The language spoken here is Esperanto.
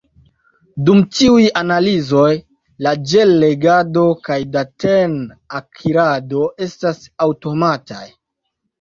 Dum tiuj analizoj, la ĝel-legado kaj daten-akirado estas aŭtomataj.